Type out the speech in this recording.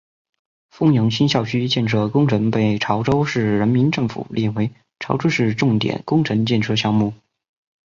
枫洋新校区建设工程被潮州市人民政府列为潮州市重点工程建设项目。